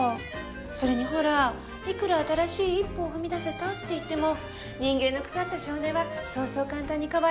「それにほらいくら新しい一歩を踏み出せたっていっても人間の腐った性根はそうそう簡単に変わらないものね」